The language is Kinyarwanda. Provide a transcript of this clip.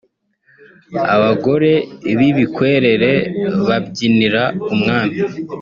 abagore b’ibikwerere babyinira umwami